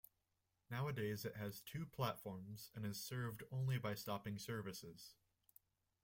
Nowadays it has two platforms and is served only by stopping services.